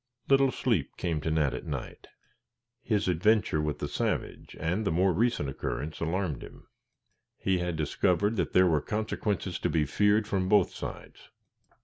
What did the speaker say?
Little sleep came to Nat at night. His adventure with the savage, and the more recent occurrence alarmed him. He had discovered that there were consequences to be feared from both sides.